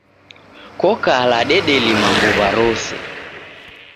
Kokala dedelima mbuw'a rose